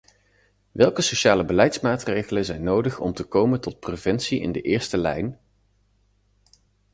Welke sociale beleidsmaatregelen zijn nodig om te komen tot preventie in de eerste lijn?